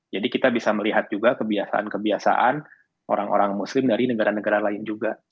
jadi kita bisa melihat juga kebiasaan kebiasaan orang orang muslim dari negara negara lain juga